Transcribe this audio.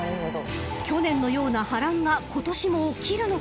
［去年のような波乱が今年も起きるのか？］